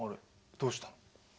どうしたの？